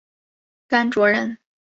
甘卓人。